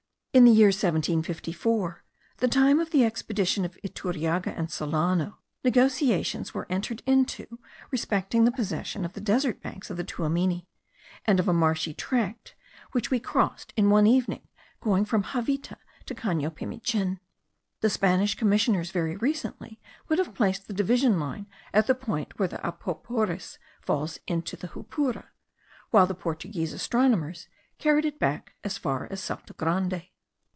In the year 1754, the time of the expedition of Iturriaga and Solano, negociations were entered into respecting the possession of the then desert banks of the Tuamini, and of a marshy tract which we crossed in one evening going from Javita to Cano Pimichin. The Spanish commissioners very recently would have placed the divisional line at the point where the Apoporis falls into the Jupura, while the Portuguese astronomers carried it back as far as Salto Grande.